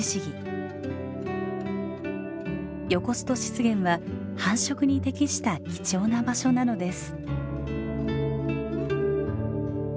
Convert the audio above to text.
ヨコスト湿原は繁殖に適した貴重な場所なのです。